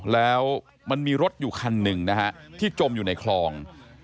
แล้วมันมีรถอยู่คันหนึ่งนะฮะที่จมอยู่ในคลอง